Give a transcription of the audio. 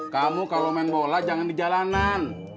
kamu kalau main bola jangan di jalanan